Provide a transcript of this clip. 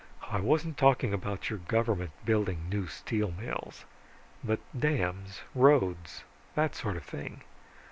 "I wasn't talking about your government building new steel mills. But dams, roads, that sort of thing.